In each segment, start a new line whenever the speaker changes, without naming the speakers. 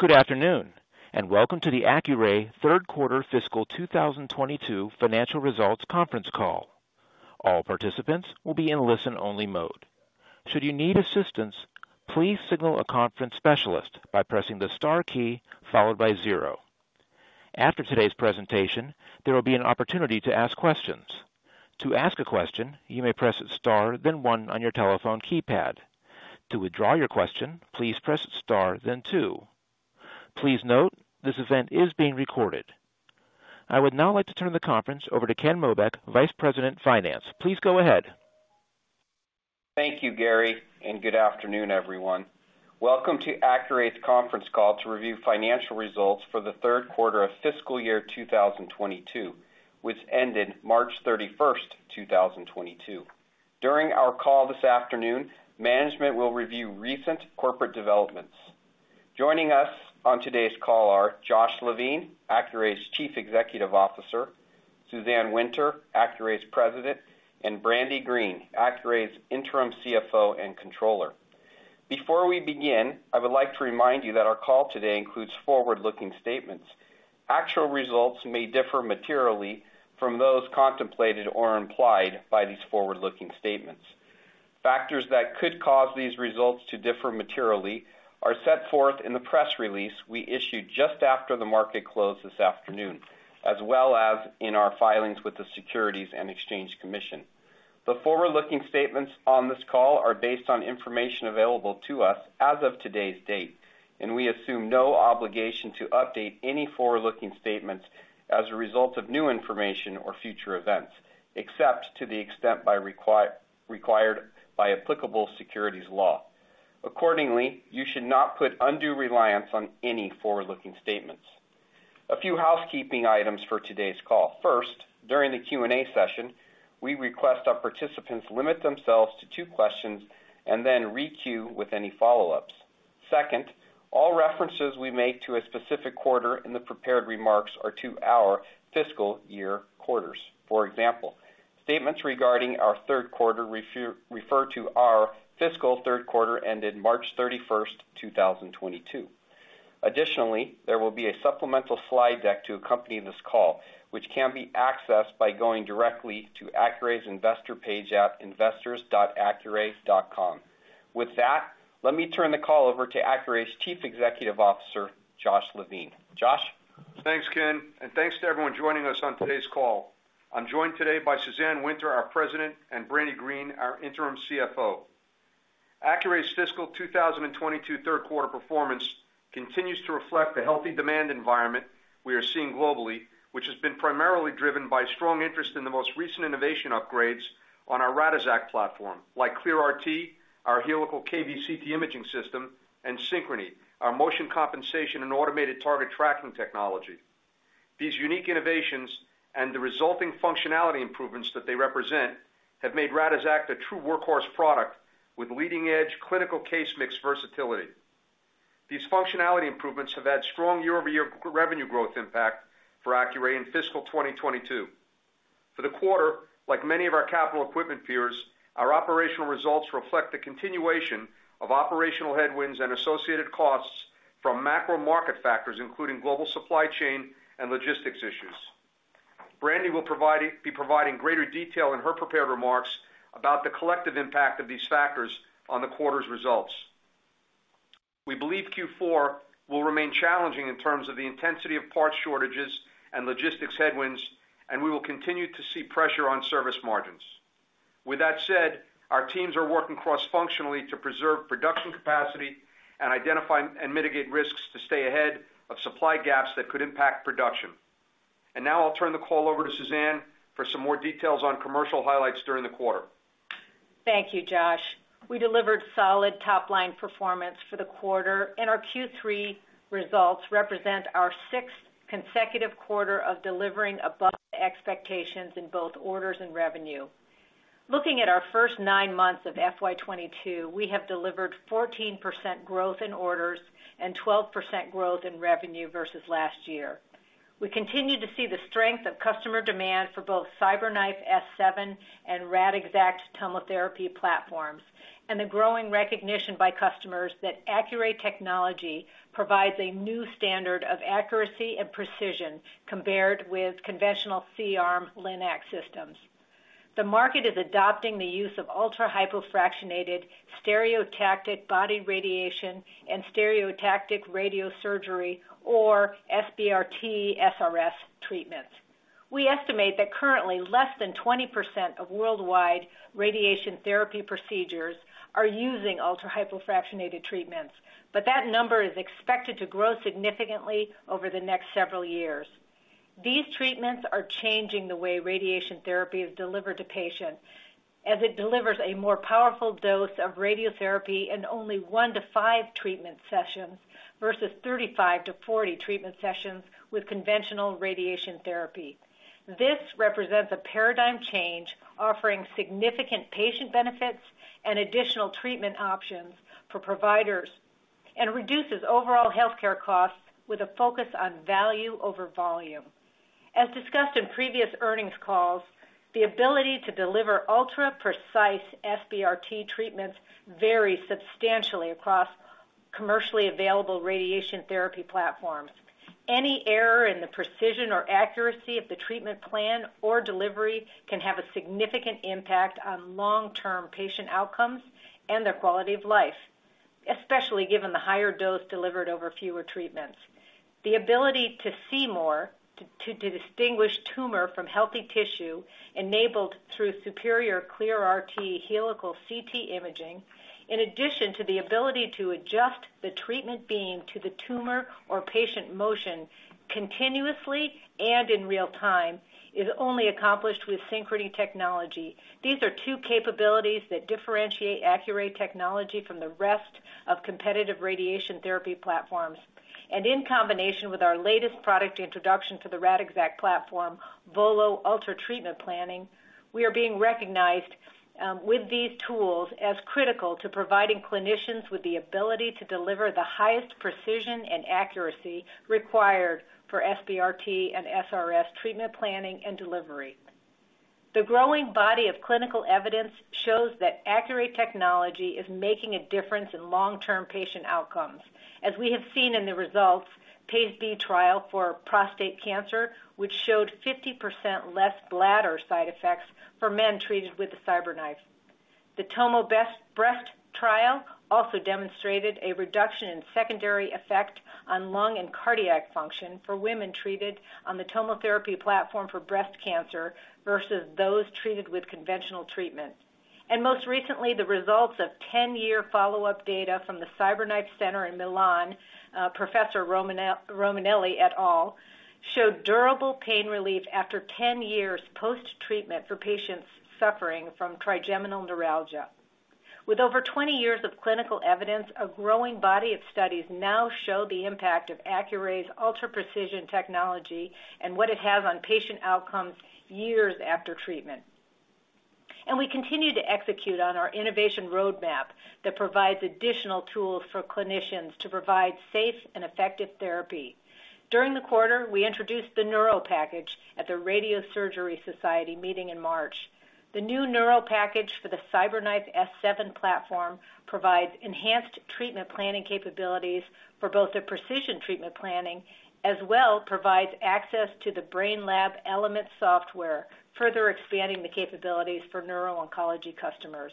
Good afternoon, and welcome to the Accuray third quarter fiscal 2022 financial results conference call. All participants will be in listen-only mode. Should you need assistance, please signal a conference specialist by pressing the star key followed by 0. After today's presentation, there will be an opportunity to ask questions. To ask a question, you may press star then one on your telephone keypad. To withdraw your question, please press star then 2. Please note this event is being recorded. I would now like to turn the conference over to Ken Mobeck, Vice President of Finance. Please go ahead.
Thank you, Gary, and good afternoon everyone. Welcome to Accuray's conference call to review financial results for the third quarter of fiscal year 2022, which ended March 31, 2022. During our call this afternoon, management will review recent corporate developments. Joining us on today's call are Josh Levine, Accuray's Chief Executive Officer, Suzanne Winter, Accuray's President, and Brandy Green, Accuray's Interim CFO and Controller. Before we begin, I would like to remind you that our call today includes forward-looking statements. Actual results may differ materially from those contemplated or implied by these forward-looking statements. Factors that could cause these results to differ materially are set forth in the press release we issued just after the market closed this afternoon, as well as in our filings with the Securities and Exchange Commission. The forward-looking statements on this call are based on information available to us as of today's date, and we assume no obligation to update any forward-looking statements as a result of new information or future events, except to the extent required by applicable securities law. Accordingly, you should not put undue reliance on any forward-looking statements. A few housekeeping items for today's call. First, during the Q&A session, we request our participants limit themselves to two questions and then re-queue with any follow-ups. Second, all references we make to a specific quarter in the prepared remarks are to our fiscal year quarters. For example, statements regarding our third quarter refer to our fiscal third quarter ended March 31, 2022. Additionally, there will be a supplemental slide deck to accompany this call, which can be accessed by going directly to Accuray's investor page at investors.accuray.com. With that, let me turn the call over to Accuray's Chief Executive Officer, Josh Levine. Josh?
Thanks, Ken, and thanks to everyone joining us on today's call. I'm joined today by Suzanne Winter, our president, and Brandy Green, our interim CFO. Accuray's fiscal 2022 third quarter performance continues to reflect the healthy demand environment we are seeing globally, which has been primarily driven by strong interest in the most recent innovation upgrades on our Radixact platform, like ClearRT, our helical kVCT imaging system, and Synchrony, our motion compensation and automated target tracking technology. These unique innovations and the resulting functionality improvements that they represent have made Radixact a true workhorse product with leading-edge clinical case mix versatility. These functionality improvements have had strong year-over-year revenue growth impact for Accuray in fiscal 2022. For the quarter, like many of our capital equipment peers, our operational results reflect the continuation of operational headwinds and associated costs from macro market factors, including global supply chain and logistics issues. Brandy will be providing greater detail in her prepared remarks about the collective impact of these factors on the quarter's results. We believe Q4 will remain challenging in terms of the intensity of parts shortages and logistics headwinds, and we will continue to see pressure on service margins. With that said, our teams are working cross-functionally to preserve production capacity and identify and mitigate risks to stay ahead of supply gaps that could impact production. Now I'll turn the call over to Suzanne for some more details on commercial highlights during the quarter.
Thank you, Josh. We delivered solid top-line performance for the quarter, and our Q3 results represent our sixth consecutive quarter of delivering above the expectations in both orders and revenue. Looking at our first nine months of FY 2022, we have delivered 14% growth in orders and 12% growth in revenue versus last year. We continue to see the strength of customer demand for both CyberKnife S7 and Radixact TomoTherapy platforms, and the growing recognition by customers that Accuray technology provides a new standard of accuracy and precision compared with conventional C-arm LINAC systems. The market is adopting the use of ultra-hypofractionated, stereotactic body radiation and stereotactic radiosurgery, or SBRT/SRS treatments. We estimate that currently less than 20% of worldwide radiation therapy procedures are using ultra-hypofractionated treatments, but that number is expected to grow significantly over the next several years. These treatments are changing the way radiation therapy is delivered to patients as it delivers a more powerful dose of radiotherapy in only one-five treatment sessions versus 35-40 treatment sessions with conventional radiation therapy. This represents a paradigm change offering significant patient benefits and additional treatment options for providers, and reduces overall healthcare costs with a focus on value over volume. As discussed in previous earnings calls, the ability to deliver ultra-precise SBRT treatments vary substantially across commercially available radiation therapy platforms. Any error in the precision or accuracy of the treatment plan or delivery can have a significant impact on long-term patient outcomes and their quality of life, especially given the higher dose delivered over fewer treatments. The ability to see more, to distinguish tumor from healthy tissue enabled through superior ClearRT helical CT imaging, in addition to the ability to adjust the treatment beam to the tumor or patient motion continuously and in real time, is only accomplished with Synchrony technology. These are two capabilities that differentiate Accuray technology from the rest of competitive radiation therapy platforms. In combination with our latest product introduction to the Radixact platform, VOLO Ultra treatment planning, we are being recognized with these tools as critical to providing clinicians with the ability to deliver the highest precision and accuracy required for SBRT and SRS treatment planning and delivery. The growing body of clinical evidence shows that Accuray technology is making a difference in long-term patient outcomes, as we have seen in the results PACE-B trial for prostate cancer, which showed 50% less bladder side effects for men treated with the CyberKnife. The TomoBreast trial also demonstrated a reduction in secondary effect on lung and cardiac function for women treated on the TomoTherapy platform for breast cancer versus those treated with conventional treatment. Most recently, the results of 10-year follow-up data from the CyberKnife Center in Milan, Professor Romanelli et al, showed durable pain relief after 10 years post-treatment for patients suffering from trigeminal neuralgia. With over 20 years of clinical evidence, a growing body of studies now show the impact of Accuray's ultra precision technology and what it has on patient outcomes years after treatment. We continue to execute on our innovation roadmap that provides additional tools for clinicians to provide safe and effective therapy. During the quarter, we introduced the Neuro Package at the Radiosurgery Society meeting in March. The new Neuro Package for the CyberKnife S7 platform provides enhanced treatment planning capabilities for both the precision treatment planning, as well as provides access to the Brainlab Elements software, further expanding the capabilities for neuro-oncology customers.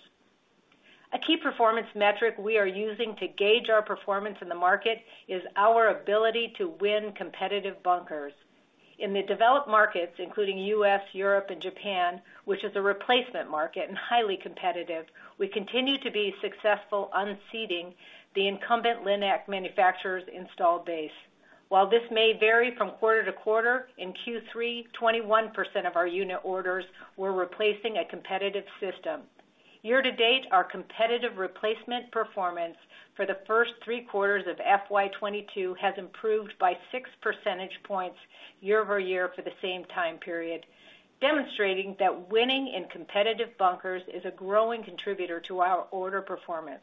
A key performance metric we are using to gauge our performance in the market is our ability to win competitive bunkers. In the developed markets, including U.S., Europe, and Japan, which is a replacement market and highly competitive, we continue to be successful unseating the incumbent LINAC manufacturer's install base. While this may vary from quarter to quarter, in Q3, 21% of our unit orders were replacing a competitive system. Year-to-date, our competitive replacement performance for the first three quarters of FY 2022 has improved by 6 percentage points year-over-year for the same time period, demonstrating that winning in competitive bunkers is a growing contributor to our order performance.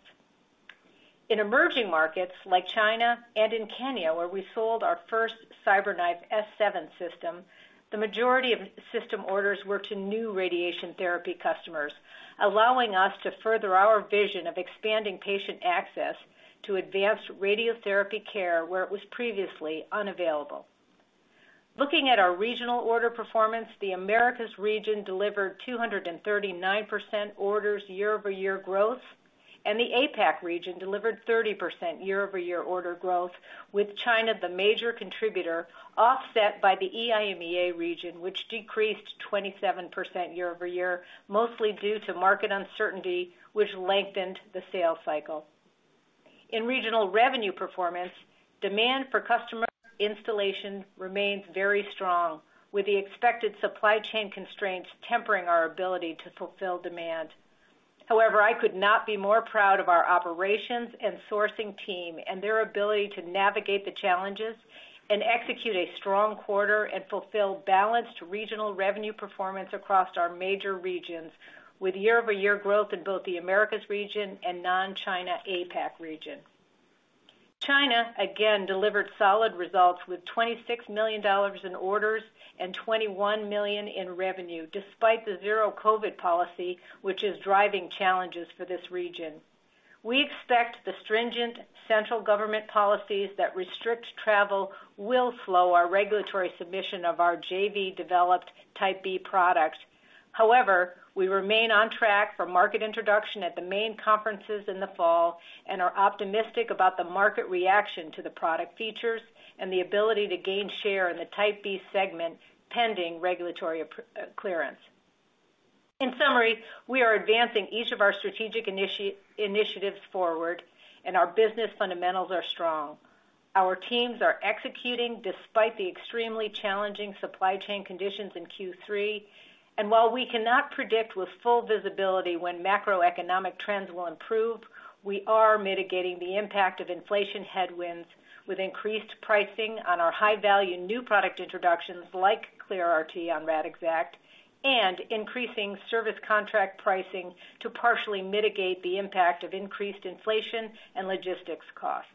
In emerging markets like China and in Kenya, where we sold our first CyberKnife S7 system, the majority of system orders were to new radiation therapy customers, allowing us to further our vision of expanding patient access to advanced radiotherapy care where it was previously unavailable. Looking at our regional order performance, the Americas region delivered 239% orders year-over-year growth, and the APAC region delivered 30% year-over-year order growth, with China the major contributor, offset by the EIMEA region, which decreased 27% year-over-year, mostly due to market uncertainty, which lengthened the sales cycle. In regional revenue performance, demand for customer installation remains very strong, with the expected supply chain constraints tempering our ability to fulfill demand. However, I could not be more proud of our operations and sourcing team and their ability to navigate the challenges and execute a strong quarter and fulfill balanced regional revenue performance across our major regions, with year-over-year growth in both the Americas region and non-China APAC region. China, again, delivered solid results with $26 million in orders and $21 million in revenue, despite the zero COVID policy, which is driving challenges for this region. We expect the stringent central government policies that restrict travel will slow our regulatory submission of our JV-developed Type B products. However, we remain on track for market introduction at the main conferences in the fall and are optimistic about the market reaction to the product features and the ability to gain share in the Type B segment, pending regulatory clearance. In summary, we are advancing each of our strategic initiatives forward, and our business fundamentals are strong. Our teams are executing despite the extremely challenging supply chain conditions in Q3. While we cannot predict with full visibility when macroeconomic trends will improve, we are mitigating the impact of inflation headwinds with increased pricing on our high-value new product introductions like ClearRT on Radixact and increasing service contract pricing to partially mitigate the impact of increased inflation and logistics costs.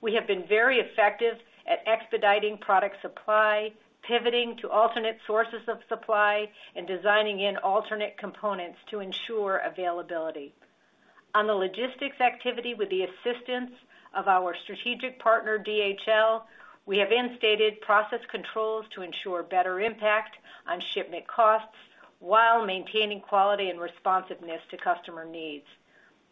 We have been very effective at expediting product supply, pivoting to alternate sources of supply, and designing in alternate components to ensure availability. On the logistics activity, with the assistance of our strategic partner, DHL, we have instated process controls to ensure better impact on shipment costs while maintaining quality and responsiveness to customer needs.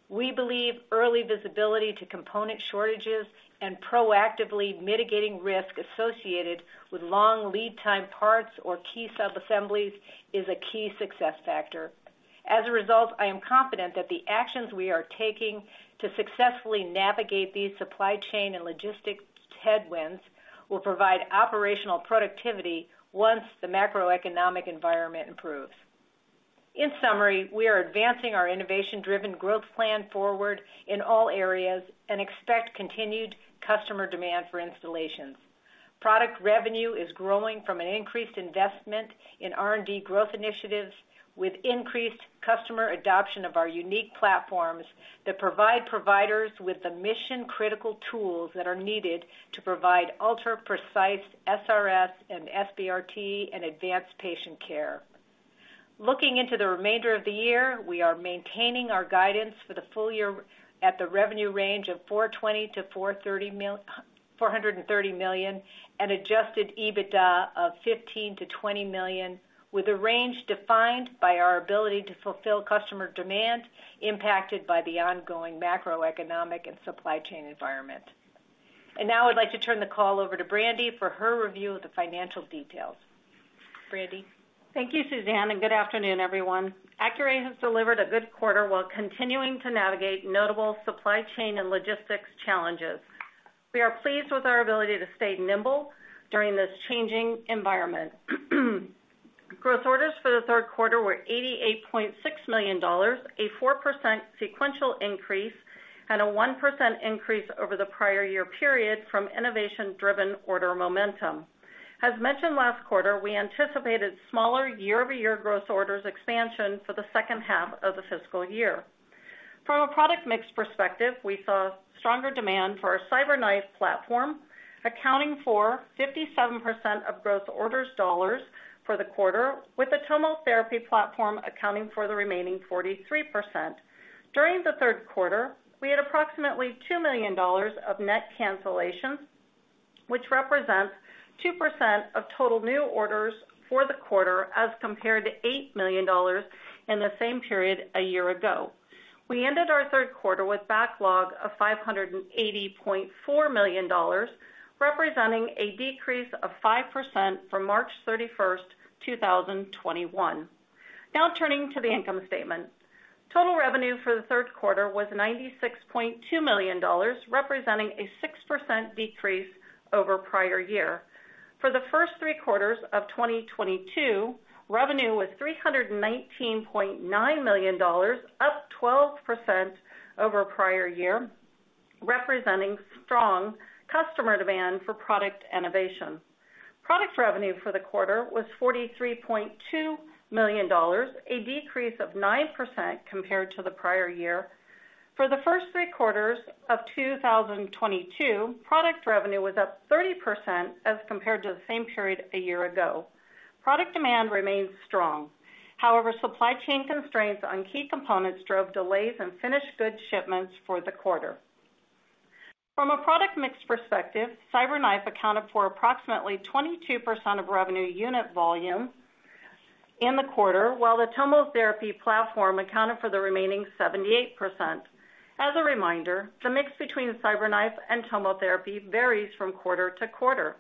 We believe early visibility to component shortages and proactively mitigating risk associated with long lead time parts or key subassemblies is a key success factor. As a result, I am confident that the actions we are taking to successfully navigate these supply chain and logistics headwinds will provide operational productivity once the macroeconomic environment improves. In summary, we are advancing our innovation-driven growth plan forward in all areas and expect continued customer demand for installations. Product revenue is growing from an increased investment in R&D growth initiatives with increased customer adoption of our unique platforms that provide providers with the mission-critical tools that are needed to provide ultra-precise SRS and SBRT and advanced patient care. Looking into the remainder of the year, we are maintaining our guidance for the full year at the revenue range of $420 million-$430 million and adjusted EBITDA of $15 million-$20 million, with a range defined by our ability to fulfill customer demand impacted by the ongoing macroeconomic and supply chain environment. Now I'd like to turn the call over to Brandy for her review of the financial details. Brandy?
Thank you, Suzanne, and good afternoon, everyone. Accuray has delivered a good quarter while continuing to navigate notable supply chain and logistics challenges. We are pleased with our ability to stay nimble during this changing environment. Gross orders for the third quarter were $88.6 million, a 4% sequential increase and a 1% increase over the prior year period from innovation-driven order momentum. As mentioned last quarter, we anticipated smaller year-over-year gross orders expansion for the second half of the fiscal year. From a product mix perspective, we saw stronger demand for our CyberKnife platform, accounting for 57% of gross orders dollars for the quarter, with the TomoTherapy platform accounting for the remaining 43%. During the third quarter, we had approximately $2 million of net cancellations, which represents 2% of total new orders for the quarter as compared to $8 million in the same period a year ago. We ended our third quarter with backlog of $580.4 million, representing a decrease of 5% from March 31st, 2021. Now turning to the income statement. Total revenue for the third quarter was $96.2 million, representing a 6% decrease over prior year. For the first three quarters of 2022, revenue was $319.9 million, up 12% over prior year, representing strong customer demand for product innovation. Product revenue for the quarter was $43.2 million, a decrease of 9% compared to the prior year. For the first three quarters of 2022, product revenue was up 30% as compared to the same period a year ago. Product demand remains strong. However, supply chain constraints on key components drove delays in finished goods shipments for the quarter. From a product mix perspective, CyberKnife accounted for approximately 22% of revenue unit volume in the quarter, while the TomoTherapy platform accounted for the remaining 78%. As a reminder, the mix between CyberKnife and TomoTherapy varies from quarter to quarter.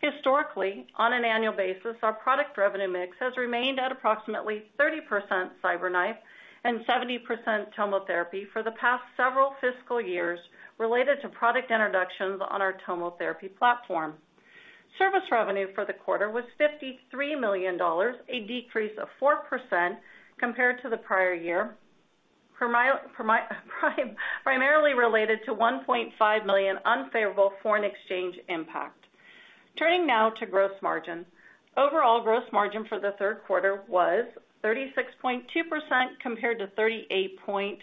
Historically, on an annual basis, our product revenue mix has remained at approximately 30% CyberKnife and 70% TomoTherapy for the past several fiscal years related to product introductions on our TomoTherapy platform. Service revenue for the quarter was $53 million, a decrease of 4% compared to the prior year, primarily related to $1.5 million unfavorable foreign exchange impact. Overall gross margin for the third quarter was 36.2% compared to 38.6%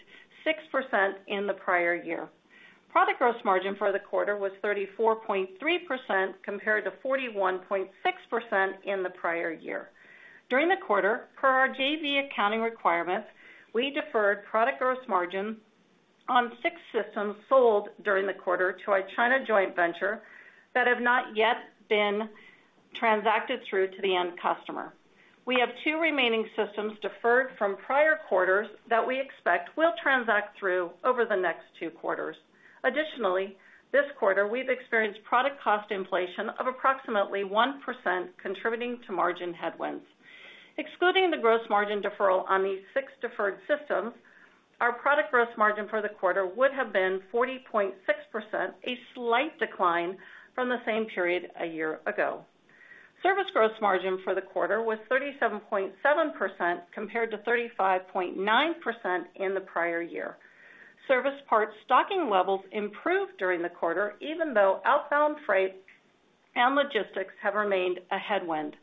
in the prior year. Product gross margin for the quarter was 34.3% compared to 41.6% in the prior year. During the quarter, per our JV accounting requirements, we deferred product gross margin on six systems sold during the quarter to a China joint venture that have not yet been transacted through to the end customer. We have two remaining systems deferred from prior quarters that we expect will transact through over the next two quarters. Additionally, this quarter, we've experienced product cost inflation of approximately 1% contributing to margin headwinds. Excluding the gross margin deferral on these six deferred systems, our product gross margin for the quarter would have been 40.6%, a slight decline from the same period a year ago. Service gross margin for the quarter was 37.7% compared to 35.9% in the prior year. Service parts stocking levels improved during the quarter, even though outbound freight and logistics have remained a headwind.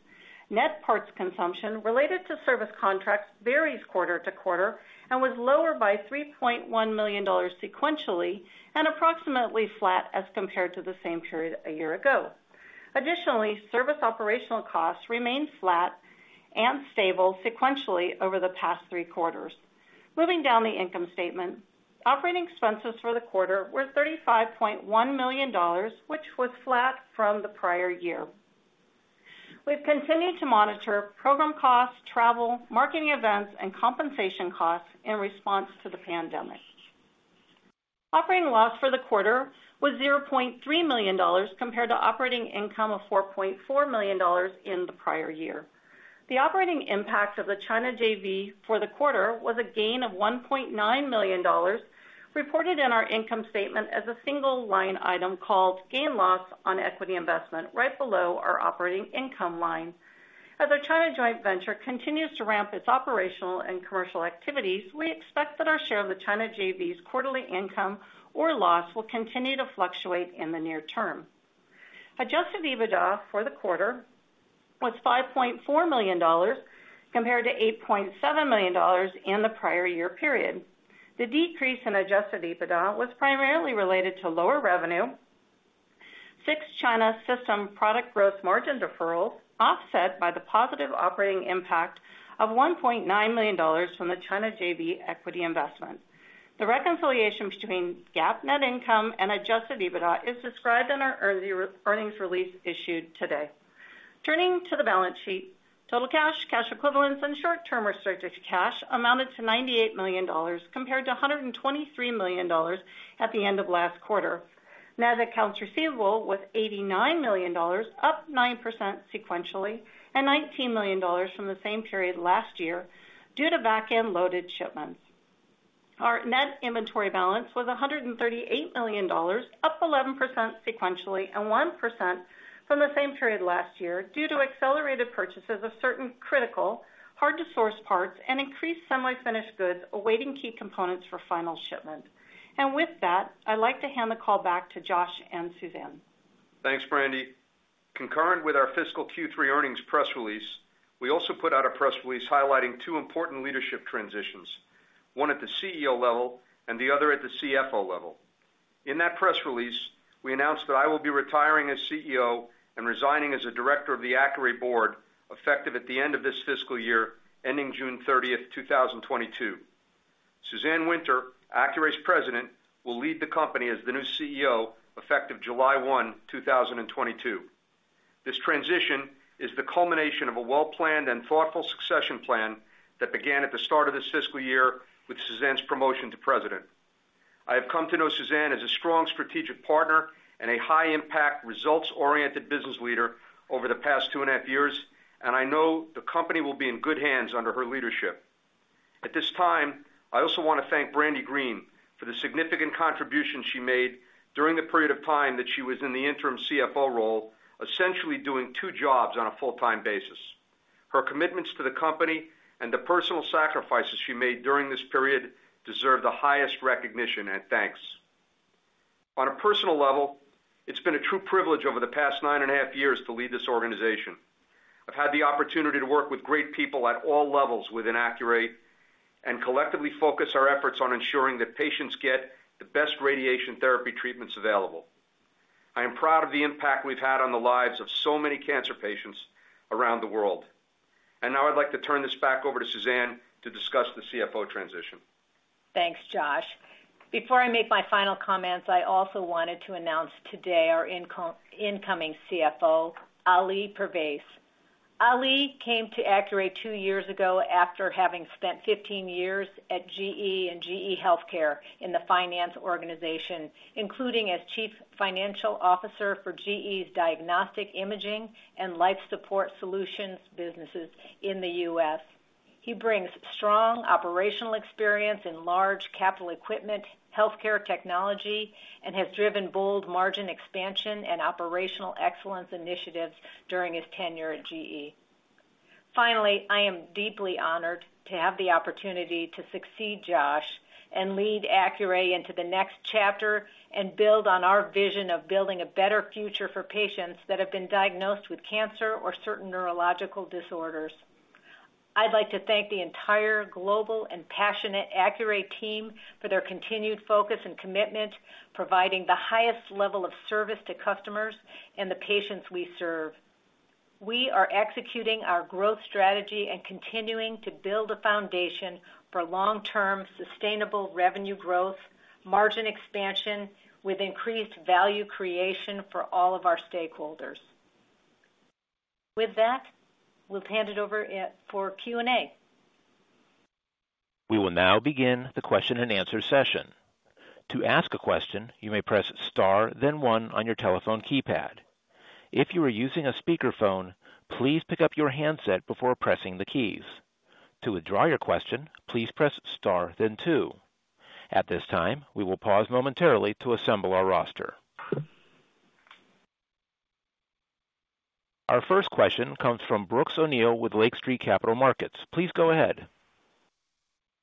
Net parts consumption related to service contracts varies quarter to quarter and was lower by $3.1 million sequentially and approximately flat as compared to the same period a year ago. Additionally, service operational costs remained flat and stable sequentially over the past three quarters. Moving down the income statement. Operating expenses for the quarter were $35.1 million, which was flat from the prior year. We've continued to monitor program costs, travel, marketing events, and compensation costs in response to the pandemic. Operating loss for the quarter was $0.3 million compared to operating income of $4.4 million in the prior year. The operating impact of the China JV for the quarter was a gain of $1.9 million, reported in our income statement as a single line item called gain/loss on equity investment, right below our operating income line. As our China joint venture continues to ramp its operational and commercial activities, we expect that our share of the China JV's quarterly income or loss will continue to fluctuate in the near term. Adjusted EBITDA for the quarter was $5.4 million compared to $8.7 million in the prior year period. The decrease in adjusted EBITDA was primarily related to lower revenue, six China system product gross margin deferral, offset by the positive operating impact of $1.9 million from the China JV equity investment. The reconciliation between GAAP net income and adjusted EBITDA is described in our earnings release issued today. Turning to the balance sheet. Total cash equivalents, and short-term restricted cash amounted to $98 million compared to $123 million at the end of last quarter. Net accounts receivable was $89 million, up 9% sequentially and $19 million from the same period last year due to back-end loaded shipments. Our net inventory balance was $138 million, up 11% sequentially and 1% from the same period last year due to accelerated purchases of certain critical, hard-to-source parts and increased semi-finished goods awaiting key components for final shipment. With that, I'd like to hand the call back to Josh and Suzanne.
Thanks, Brandy. Concurrent with our fiscal Q3 earnings press release, we also put out a press release highlighting two important leadership transitions, one at the CEO level and the other at the CFO level. In that press release, we announced that I will be retiring as CEO and resigning as a director of the Accuray board, effective at the end of this fiscal year, ending June 30, 2022. Suzanne Winter, Accuray's president, will lead the company as the new CEO effective July 1, 2022. This transition is the culmination of a well-planned and thoughtful succession plan that began at the start of this fiscal year with Suzanne's promotion to president. I have come to know Suzanne as a strong strategic partner and a high-impact, results-oriented business leader over the past two and a half years, and I know the company will be in good hands under her leadership. At this time, I also wanna thank Brandy Green for the significant contributions she made during the period of time that she was in the interim CFO role, essentially doing two jobs on a full-time basis. Her commitments to the company and the personal sacrifices she made during this period deserve the highest recognition and thanks. On a personal level, it's been a true privilege over the past nine and a half years to lead this organization. I've had the opportunity to work with great people at all levels within Accuray and collectively focus our efforts on ensuring that patients get the best radiation therapy treatments available. I am proud of the impact we've had on the lives of so many cancer patients around the world. Now I'd like to turn this back over to Suzanne to discuss the CFO transition.
Thanks, Josh. Before I make my final comments, I also wanted to announce today our incoming CFO, Ali Pervaiz. Ali came to Accuray two years ago after having spent 15 years at GE and GE Healthcare in the finance organization, including as Chief Financial Officer for GE's Diagnostic Imaging and Life Support Solutions businesses in the U.S. He brings strong operational experience in large capital equipment, healthcare technology, and has driven bold margin expansion and operational excellence initiatives during his tenure at GE. Finally, I am deeply honored to have the opportunity to succeed Josh and lead Accuray into the next chapter and build on our vision of building a better future for patients that have been diagnosed with cancer or certain neurological disorders.
I'd like to thank the entire global and passionate Accuray team for their continued focus and commitment, providing the highest level of service to customers and the patients we serve. We are executing our growth strategy and continuing to build a foundation for long-term sustainable revenue growth, margin expansion, with increased value creation for all of our stakeholders. With that, we'll hand it over for Q&A.
We will now begin the question-and-answer session. To ask a question, you may press star then one on your telephone keypad. If you are using a speakerphone, please pick up your handset before pressing the keys. To withdraw your question, please press star then two. At this time, we will pause momentarily to assemble our roster. Our first question comes from Brooks O'Neil with Lake Street Capital Markets. Please go ahead.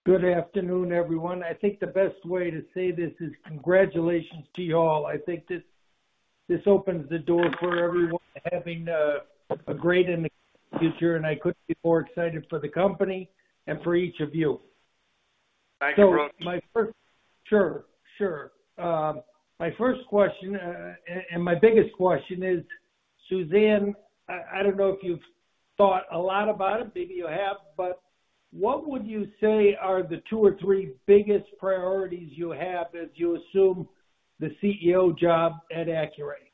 Good afternoon, everyone. I think the best way to say this is congratulations to you all. I think this opens the door for everyone having a great and future, and I couldn't be more excited for the company and for each of you.
Thank you, Brooks.
My first question, and my biggest question is, Suzanne, I don't know if you've thought a lot about it, maybe you have, but what would you say are the two or three biggest priorities you have as you assume the CEO job at Accuray?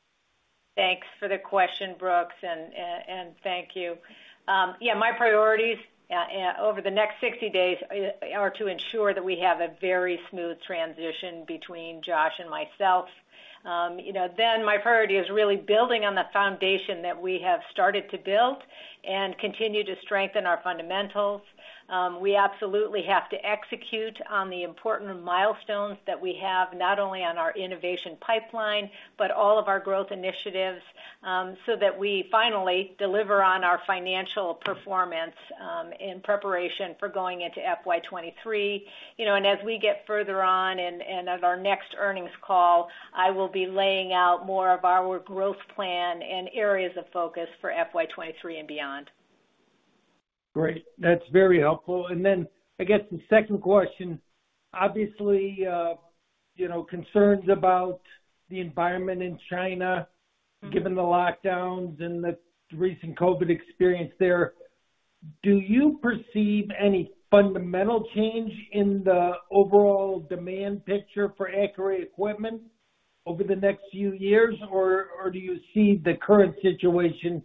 Thanks for the question, Brooks, and thank you. Yeah, my priorities over the next 60 days are to ensure that we have a very smooth transition between Josh and myself. You know, my priority is really building on the foundation that we have started to build and continue to strengthen our fundamentals. We absolutely have to execute on the important milestones that we have, not only on our innovation pipeline, but all of our growth initiatives, so that we finally deliver on our financial performance in preparation for going into FY 2023. You know, as we get further on and at our next earnings call, I will be laying out more of our growth plan and areas of focus for FY 2023 and beyond.
Great. That's very helpful. Then I guess the second question, obviously, you know, concerns about the environment in China, given the lockdowns and the recent COVID experience there. Do you perceive any fundamental change in the overall demand picture for Accuray equipment over the next few years? Or do you see the current situation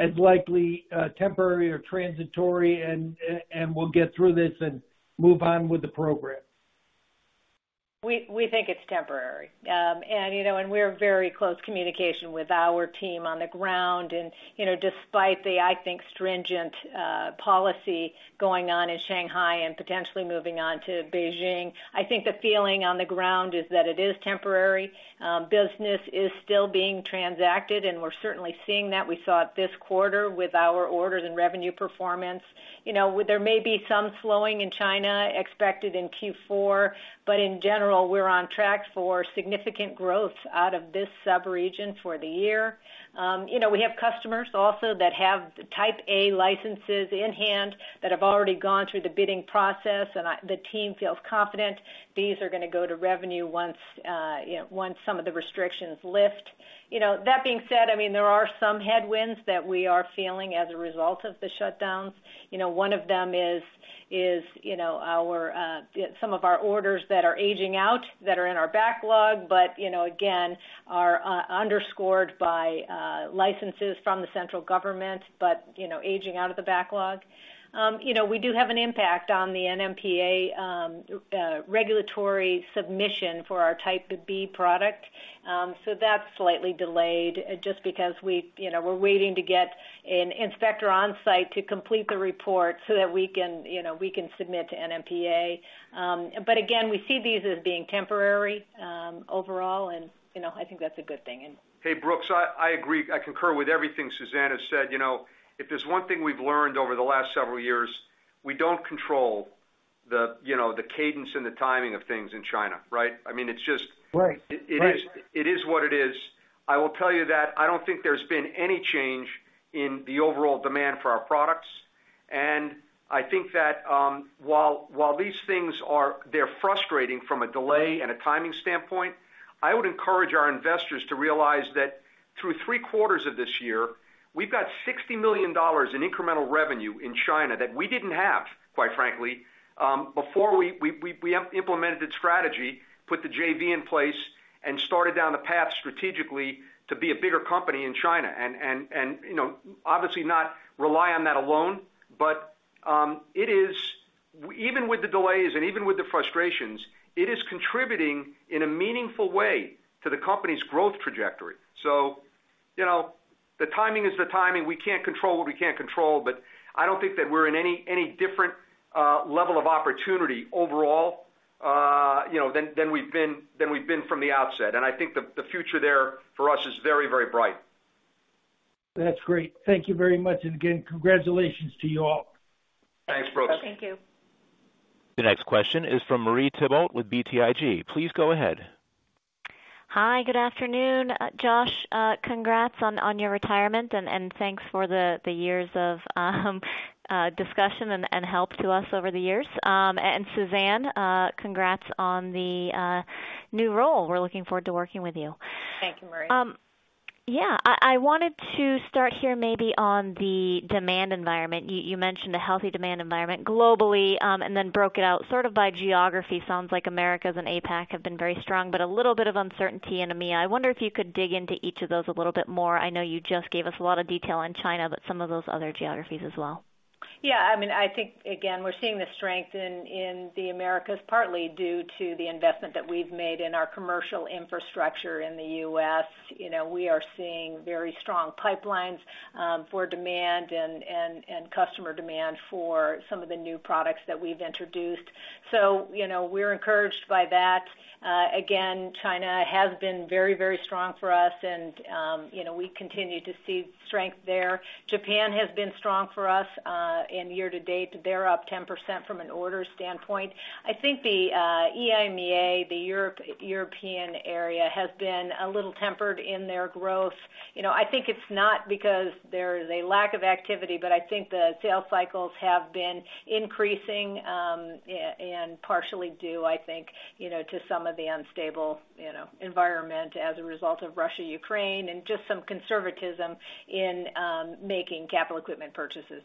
as likely temporary or transitory and we'll get through this and move on with the program?
We think it's temporary. You know, we're in very close communication with our team on the ground. You know, despite the, I think, stringent policy going on in Shanghai and potentially moving on to Beijing, I think the feeling on the ground is that it is temporary. Business is still being transacted, and we're certainly seeing that. We saw it this quarter with our orders and revenue performance. You know, there may be some slowing in China expected in Q4, but in general, we're on track for significant growth out of this sub-region for the year. You know, we have customers also that have Type A licenses in hand that have already gone through the bidding process, and the team feels confident these are gonna go to revenue once, you know, once some of the restrictions lift. You know, that being said, I mean, there are some headwinds that we are feeling as a result of the shutdowns. You know, one of them is you know, some of our orders that are aging out, that are in our backlog, but you know, again, are underscored by licenses from the central government, but you know, aging out of the backlog. You know, we do have an impact on the NMPA regulatory submission for our Type B product. That's slightly delayed just because we, you know, we're waiting to get an inspector on site to complete the report so that we can, you know, submit to NMPA. Again, we see these as being temporary overall and, you know, I think that's a good thing.
Hey, Brooks, I agree. I concur with everything Suzanne has said. You know, if there's one thing we've learned over the last several years, we don't control the, you know, the cadence and the timing of things in China, right? I mean, it's just.
Right.
It is what it is. I will tell you that I don't think there's been any change in the overall demand for our products. I think that while these things are frustrating from a delay and a timing standpoint, I would encourage our investors to realize that through three quarters of this year, we've got $60 million in incremental revenue in China that we didn't have, quite frankly, before we implemented the strategy, put the JV in place and started down the path strategically to be a bigger company in China. You know, obviously not rely on that alone, but it is even with the delays and even with the frustrations, it is contributing in a meaningful way to the company's growth trajectory. You know, the timing is the timing. We can't control what we can't control, but I don't think that we're in any different level of opportunity overall, you know, than we've been from the outset. I think the future there for us is very, very bright.
That's great. Thank you very much. Again, congratulations to you all.
Thanks, Brooks.
Thank you.
The next question is from Marie Thibault with BTIG. Please go ahead.
Hi, good afternoon. Josh, congrats on your retirement, and thanks for the years of discussion and help to us over the years. Suzanne, congrats on the new role. We're looking forward to working with you.
Thank you, Marie.
Yeah, I wanted to start here maybe on the demand environment. You mentioned a healthy demand environment globally, and then broke it out sort of by geography. Sounds like Americas and APAC have been very strong, but a little bit of uncertainty in EMEA. I wonder if you could dig into each of those a little bit more. I know you just gave us a lot of detail on China, but some of those other geographies as well.
Yeah, I mean, I think again, we're seeing the strength in the Americas partly due to the investment that we've made in our commercial infrastructure in the US. You know, we are seeing very strong pipelines for demand and customer demand for some of the new products that we've introduced. You know, we're encouraged by that. Again, China has been very, very strong for us and, you know, we continue to see strength there. Japan has been strong for us in year to date. They're up 10% from an order standpoint. I think the EIMEA, the European area, has been a little tempered in their growth. You know, I think it's not because there is a lack of activity, but I think the sales cycles have been increasing, and partially due, I think, you know, to some of the unstable, you know, environment as a result of Russia, Ukraine, and just some conservatism in making capital equipment purchases.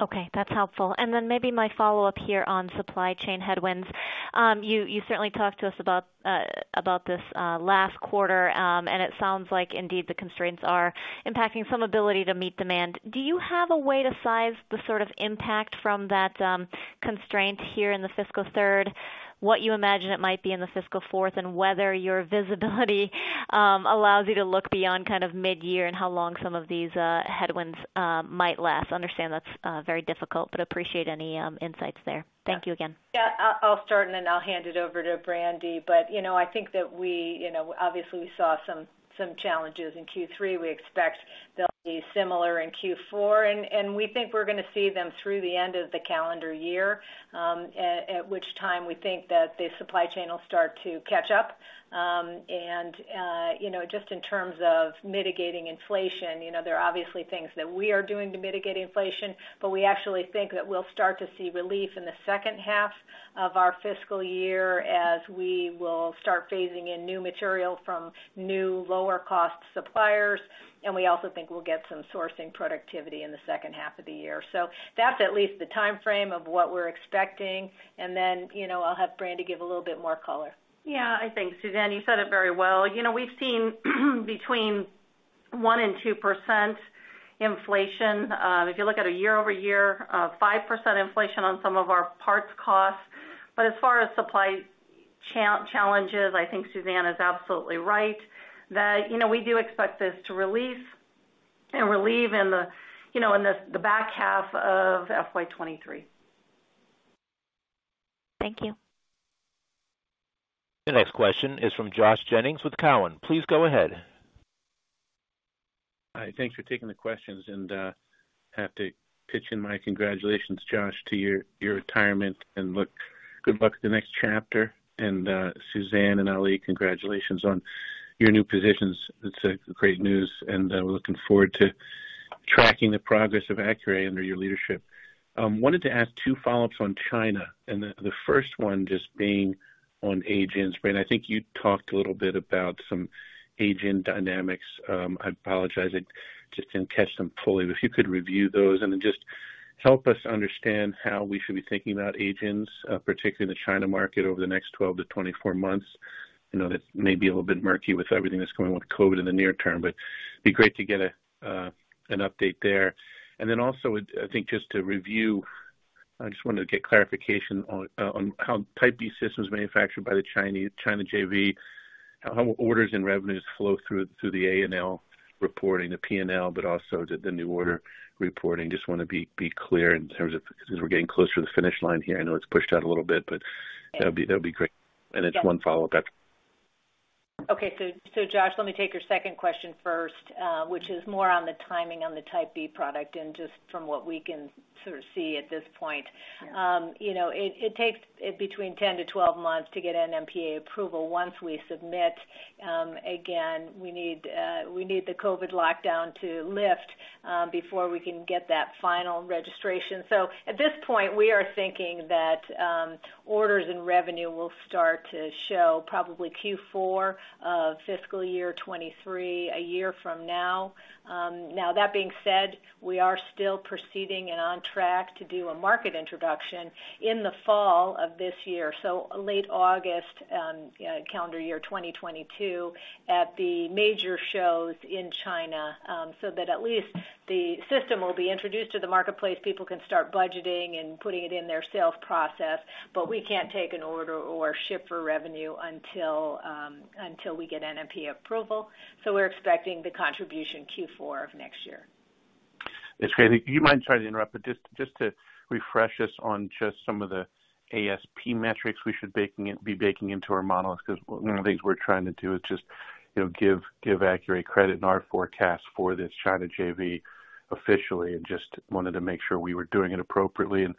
Okay. That's helpful. Maybe my follow-up here on supply chain headwinds. You certainly talked to us about this last quarter. It sounds like indeed the constraints are impacting some ability to meet demand. Do you have a way to size the sort of impact from that constraint here in the fiscal third, what you imagine it might be in the fiscal fourth, and whether your visibility allows you to look beyond kind of mid-year and how long some of these headwinds might last? Understand that's very difficult, but appreciate any insights there. Thank you again.
Yeah. I'll start, and then I'll hand it over to Brandy. You know, I think that we, you know, obviously we saw some challenges in Q3. We expect they'll be similar in Q4, and we think we're gonna see them through the end of the calendar year, at which time we think that the supply chain will start to catch up. You know, just in terms of mitigating inflation, you know, there are obviously things that we are doing to mitigate inflation, but we actually think that we'll start to see relief in the second half of our fiscal year as we will start phasing in new material from new lower cost suppliers, and we also think we'll get some sourcing productivity in the second half of the year. That's at least the timeframe of what we're expecting. You know, I'll have Brandy give a little bit more color.
Yeah. I think, Suzanne, you said it very well. You know, we've seen between 1% and 2% inflation. If you look at a year-over-year 5% inflation on some of our parts costs. As far as supply challenges, I think Suzanne is absolutely right that, you know, we do expect this to release and relieve in the back half of FY 2023.
Thank you.
The next question is from Josh Jennings with Cowen. Please go ahead.
Hi. Thanks for taking the questions. I have to pitch in my congratulations, Josh, to your retirement and good luck with the next chapter. Suzanne and Ali, congratulations on your new positions. It's great news, and we're looking forward to tracking the progress of Accuray under your leadership. I wanted to ask two follow-ups on China, and the first one just being on agents. Brandy, I think you talked a little bit about some agent dynamics. I apologize. I just didn't catch them fully. If you could review those and then just help us understand how we should be thinking about agents, particularly in the China market over the next 12-24 months. You know, that may be a little bit murky with everything that's going with COVID in the near term, but it would be great to get an update there. Then also, I think just to review, I just wanted to get clarification on how Type B systems manufactured by the China JV, how orders and revenues flow through the ANL reporting, the P&L, but also the new order reporting. Just wanna be clear in terms of as we're getting closer to the finish line here. I know it's pushed out a little bit, but that'd be great. It's one follow-up after.
Josh, let me take your second question first, which is more on the timing on the Type B product and just from what we can sort of see at this point. You know, it takes between 10-12 months to get an NMPA approval once we submit. Again, we need the COVID lockdown to lift before we can get that final registration. At this point, we are thinking that orders and revenue will start to show probably Q4 of fiscal year 2023, a year from now. Now that being said, we are still proceeding and on track to do a market introduction in the fall of this year, so late August, calendar year 2022 at the major shows in China, so that at least the system will be introduced to the marketplace. People can start budgeting and putting it in their sales process. We can't take an order or ship for revenue until we get NMPA approval. We're expecting the contribution Q4 of next year.
That's great. Do you mind? Sorry to interrupt, but just to refresh us on just some of the ASP metrics we should be baking into our models, 'cause one of the things we're trying to do is just, you know, give Accuray credit in our forecast for this China JV officially and just wanted to make sure we were doing it appropriately and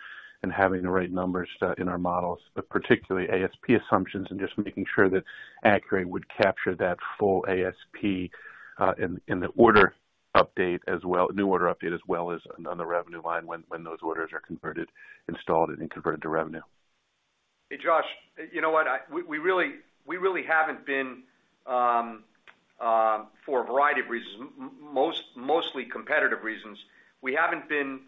having the right numbers in our models, but particularly ASP assumptions and just making sure that Accuray would capture that full ASP in the order update as well, new order update, as well as on the revenue line when those orders are converted, installed, and converted to revenue.
Hey, Josh. You know what? We really haven't been for a variety of reasons, mostly competitive reasons, we haven't been.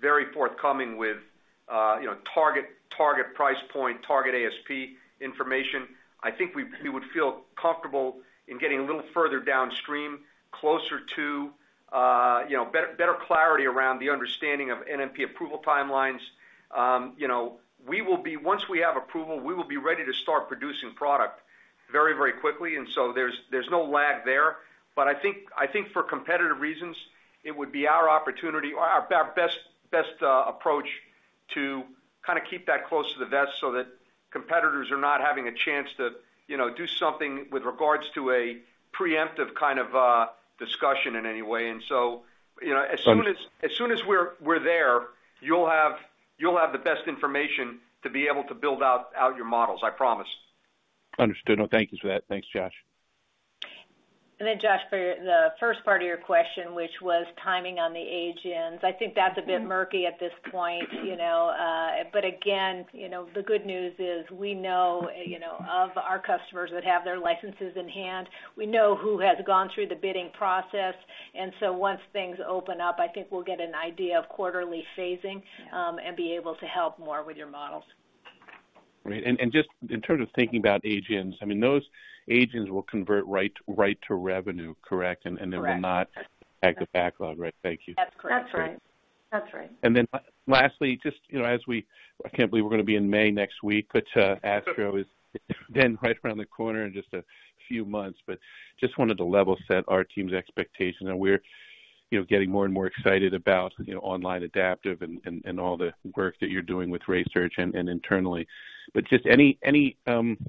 Very forthcoming with, you know, target price point, target ASP information. I think we would feel comfortable in getting a little further downstream closer to, you know, better clarity around the understanding of NMP approval timelines. Once we have approval, we will be ready to start producing product very quickly. There's no lag there. I think for competitive reasons, it would be our opportunity or our best approach to kinda keep that close to the vest so that competitors are not having a chance to, you know, do something with regards to a preemptive kind of discussion in any way. You know, as soon as we're there, you'll have the best information to be able to build out your models, I promise.
Understood. No, thank you for that. Thanks, Josh.
Then Josh, for the first part of your question, which was timing on the agents, I think that's a bit murky at this point, you know? Again, you know of our customers that have their licenses in hand. We know who has gone through the bidding process. Once things open up, I think we'll get an idea of quarterly phasing, and be able to help more with your models.
Great. Just in terms of thinking about agents, I mean, those agents will convert right to revenue, correct?
Correct.
They will not affect the backlog, right? Thank you.
That's correct.
That's right. That's right.
Lastly, just I can't believe we're gonna be in May next week, but ASTRO is right around the corner in just a few months. Just wanted to level set our team's expectation, and we're getting more and more excited about online adaptive and all the work that you're doing with RaySearch and internally. Just any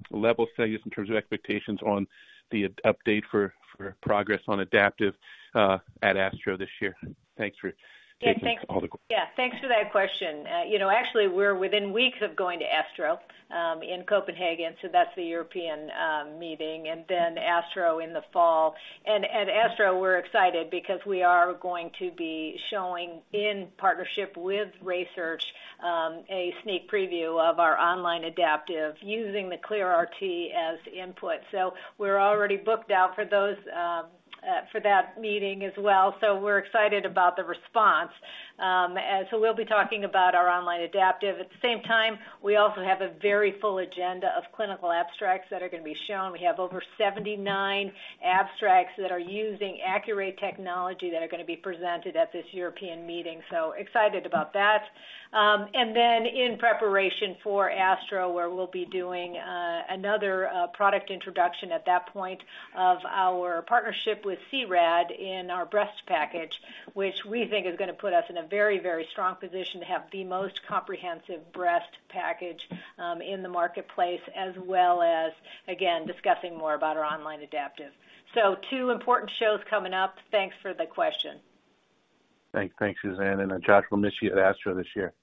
level for you in terms of expectations on the update for progress on adaptive at ASTRO this year. Thanks for taking all the questions.
Yeah, thanks for that question. You know, actually we're within weeks of going to ASTRO in Copenhagen, so that's the European meeting. ASTRO in the fall. At ASTRO, we're excited because we are going to be showing in partnership with RaySearch a sneak preview of our online adaptive using the ClearRT as input. We're already booked out for those for that meeting as well. We're excited about the response. We'll be talking about our online adaptive. At the same time, we also have a very full agenda of clinical abstracts that are gonna be shown. We have over 79 abstracts that are using Accuray technology that are gonna be presented at this European meeting, so excited about that. In preparation for ASTRO, where we'll be doing another product introduction at that point of our partnership with C-RAD in our breast package, which we think is gonna put us in a very, very strong position to have the most comprehensive breast package in the marketplace, as well as, again, discussing more about our online adaptive. Two important shows coming up. Thanks for the question.
Thanks, Suzanne. Josh, we'll miss you at ASTRO this year.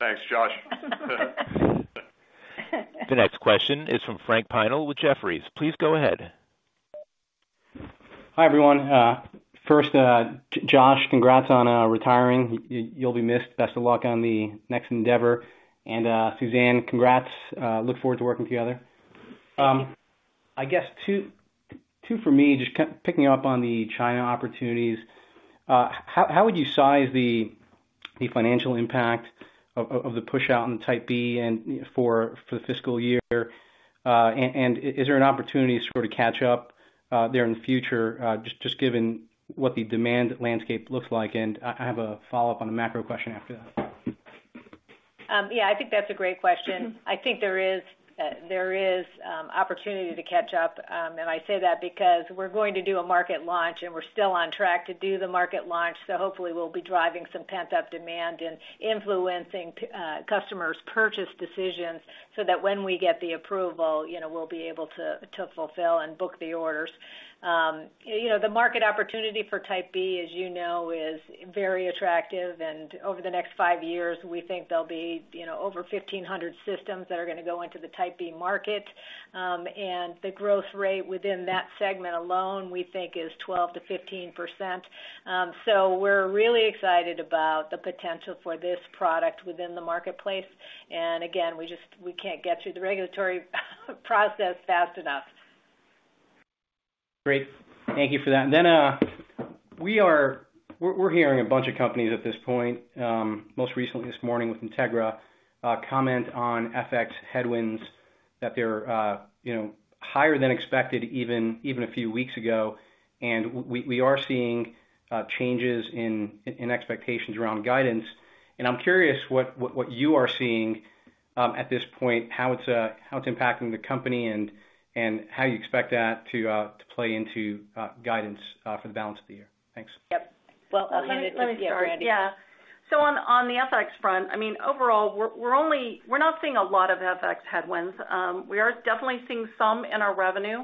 Thanks, Josh.
The next question is from Frank Pinal with Jefferies. Please go ahead.
Hi, everyone. First, Josh, congrats on retiring. You'll be missed. Best of luck on the next endeavor. Suzanne, congrats, look forward to working together. I guess two for me, just picking up on the China opportunities. How would you size the financial impact of the push out on Type B and for the fiscal year? And is there an opportunity sort of catch up there in the future, just given what the demand landscape looks like? I have a follow-up on a macro question after that.
Yeah, I think that's a great question. I think there is opportunity to catch up. I say that because we're going to do a market launch, and we're still on track to do the market launch. Hopefully we'll be driving some pent-up demand and influencing customers' purchase decisions so that when we get the approval, you know, we'll be able to fulfill and book the orders. You know, the market opportunity for Type B, as you know, is very attractive. Over the next five years, we think there'll be, you know, over 1,500 systems that are gonna go into the Type B market. The growth rate within that segment alone, we think is 12%-15%. We're really excited about the potential for this product within the marketplace. We can't get through the regulatory process fast enough.
Great. Thank you for that. We're hearing a bunch of companies at this point, most recently this morning with Integra, comment on FX headwinds that they're higher than expected even a few weeks ago. We are seeing changes in expectations around guidance. I'm curious what you are seeing at this point, how it's impacting the company and how you expect that to play into guidance for the balance of the year. Thanks.
Yep.
I'll hand it to Suzanne.
Yeah. On the FX front, I mean, overall, we're not seeing a lot of FX headwinds. We are definitely seeing some in our revenue,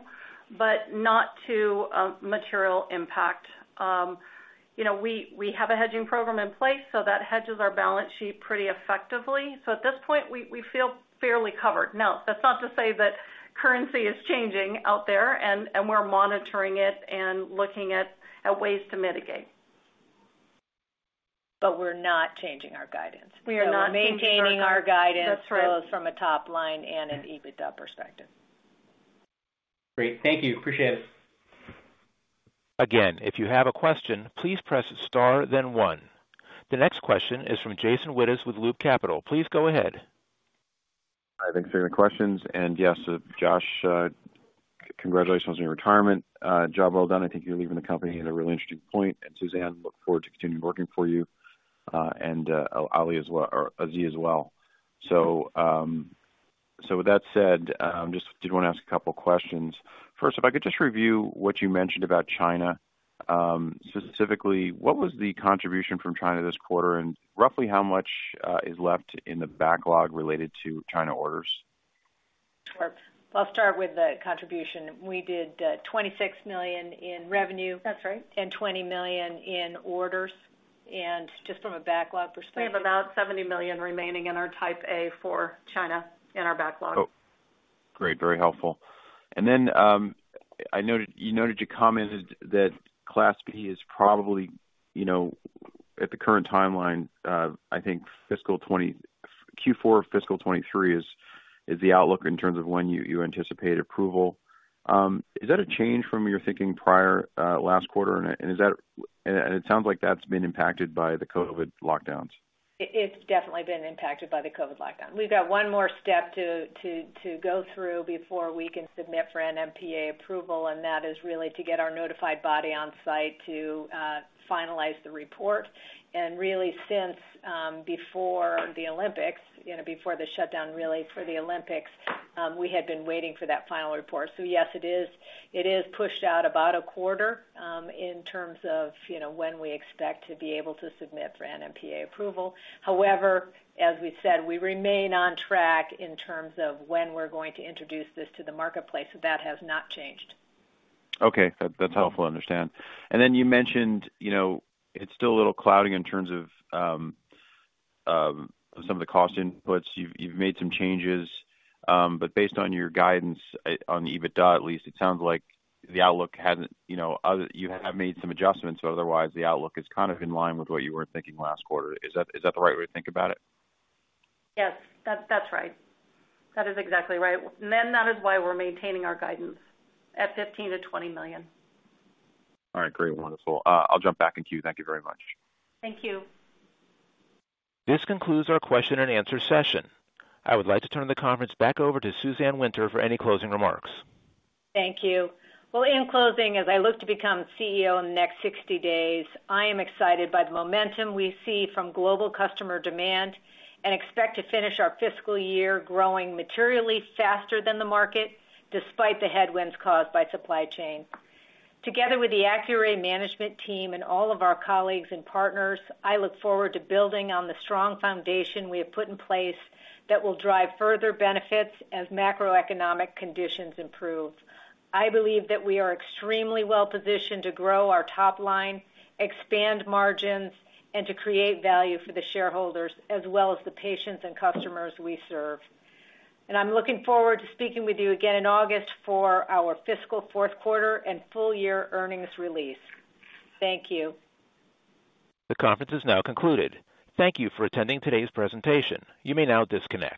but not to a material impact. You know, we have a hedging program in place, so that hedges our balance sheet pretty effectively. At this point, we feel fairly covered. Now, that's not to say that currency is changing out there, and we're monitoring it and looking at ways to mitigate. We're not changing our guidance.
We are not changing our guidance.
We're maintaining our guidance.
That's right.
both from a top line and an EBITDA perspective.
Great. Thank you. Appreciate it.
Again, if you have a question, please press star then one. The next question is from Jason Wittes with Loop Capital. Please go ahead.
Hi, thanks for the questions. Yes, Josh, congratulations on your retirement. Job well done. I think you're leaving the company at a really interesting point. Suzanne, look forward to continuing working for you, and Ali as well—or Azi as well. With that said, just did wanna ask a couple questions. First, if I could just review what you mentioned about China, specifically, what was the contribution from China this quarter? And roughly how much is left in the backlog related to China orders?
Sure. I'll start with the contribution. We did $26 million in revenue.
That's right.
$20 million in orders. Just from a backlog perspective.
We have about $70 million remaining in our Type A for China in our backlog.
Oh, great, very helpful. You noted you commented that Type B is probably, you know, at the current timeline, I think Q4 of fiscal 2023 is the outlook in terms of when you anticipate approval. Is that a change from your thinking prior last quarter? It sounds like that's been impacted by the COVID lockdowns.
It's definitely been impacted by the COVID lockdown. We've got one more step to go through before we can submit for an NMPA approval, and that is really to get our notified body on site to finalize the report. Really since before the Olympics, you know, before the shutdown really for the Olympics, we had been waiting for that final report. Yes, it is pushed out about a quarter in terms of, you know, when we expect to be able to submit for an NMPA approval. However, as we've said, we remain on track in terms of when we're going to introduce this to the marketplace. That has not changed.
Okay. That's helpful. Understand. Then you mentioned, you know, it's still a little cloudy in terms of some of the cost inputs. You've made some changes. But based on your guidance on the EBITDA at least, it sounds like you have made some adjustments, but otherwise, the outlook is kind of in line with what you were thinking last quarter. Is that the right way to think about it?
Yes. That's right. That is exactly right. That is why we're maintaining our guidance at $15 million-$20 million.
All right, great. Wonderful. I'll jump back in queue. Thank you very much.
Thank you.
This concludes our question and answer session. I would like to turn the conference back over to Suzanne Winter for any closing remarks.
Thank you. Well, in closing, as I look to become CEO in the next 60 days, I am excited by the momentum we see from global customer demand, and expect to finish our fiscal year growing materially faster than the market, despite the headwinds caused by supply chain. Together with the Accuray management team and all of our colleagues and partners, I look forward to building on the strong foundation we have put in place that will drive further benefits as macroeconomic conditions improve. I believe that we are extremely well-positioned to grow our top line, expand margins, and to create value for the shareholders as well as the patients and customers we serve. I'm looking forward to speaking with you again in August for our fiscal fourth quarter and full year earnings release. Thank you.
The conference is now concluded. Thank you for attending today's presentation. You may now disconnect.